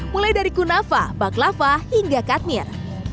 mulai dari kunafa baklava hingga kadmir